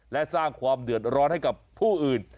และสร้างความเดือดร้อนให้กับผู้อื่น